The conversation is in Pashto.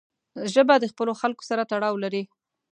ژبه د خپلو خلکو سره تړاو لري